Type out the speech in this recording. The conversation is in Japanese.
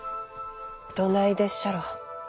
どないでっしゃろ？